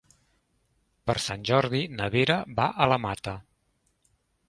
Per Sant Jordi na Vera va a la Mata.